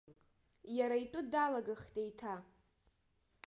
Иара итәы далагахт еиҭа!